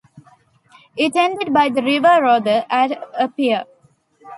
It ended by the River Rother at a pier.